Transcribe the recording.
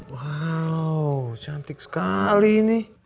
wow cantik sekali ini